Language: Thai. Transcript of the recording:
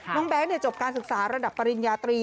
น้องแบ๊งค์เนี่ยจบการศึกษาระดับปริญญาตรี